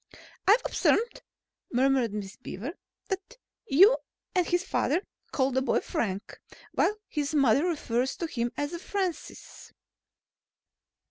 "I've observed," murmured Miss Beaver, "that you and his father call the boy Frank, while his mother refers to him as Francis."